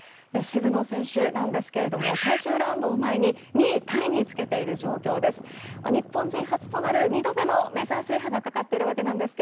渋野選手なんですけれども最終ラウンドを前に２位タイにつけている状況です。